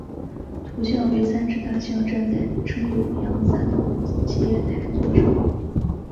图像为三只大象站在撑有阳伞的五阶台座上。